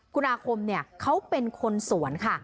คุณอาคมเขาเป็นคนสวนค่ะ